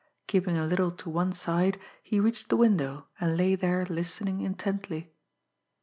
Keeping a little to one side, he reached the window, and lay there listening intently.